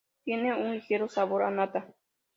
Tiene un ligero sabor a nata.